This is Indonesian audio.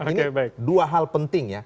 ini dua hal penting ya